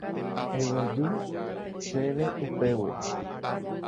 Eguejy chéve upégui.